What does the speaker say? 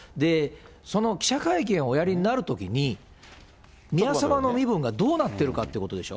その記者会見をおやりになるときに、宮さまのご身分がどうなっているかということでしょ。